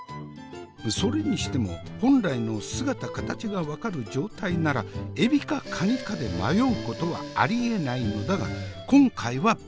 それにしても本来の姿形が分かる状態ならエビかカニかで迷うことはありえないのだが今回は別！